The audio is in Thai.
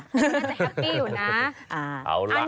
อันนี้ก็จะแฮปปี้อยู่นะ